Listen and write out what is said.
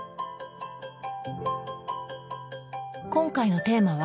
今回のテーマは？